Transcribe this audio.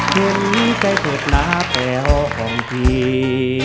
เพื่อนมีใจถูกล้าแปลว่าของพี่